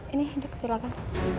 ini cuk silakan